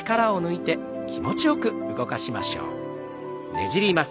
ねじります。